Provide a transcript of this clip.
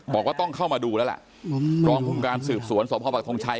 บอกว่าต้องเข้ามาดูแล้วล่ะรองภูมิการสืบสวนสพปักทงชัย